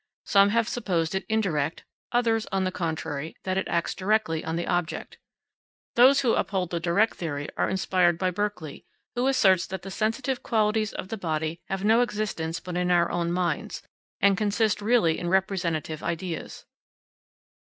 Some have supposed it indirect, others, on the contrary, that it acts directly on the object. Those who uphold the direct theory are inspired by Berkeley, who asserts that the sensitive qualities of the body have no existence but in our own minds, and consist really in representative ideas.